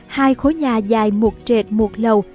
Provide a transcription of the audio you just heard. hai khối nhà dài một trệt một lầu